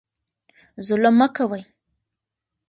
ظلم مه کوئ.